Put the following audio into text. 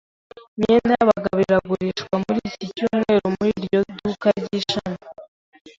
Imyenda yabagabo iragurishwa muri iki cyumweru muri iryo duka ryishami.